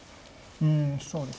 うんそうですね